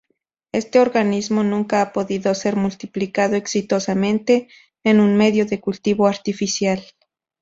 Este organismo nunca ha podido ser multiplicado exitosamente en un medio de cultivo artificial.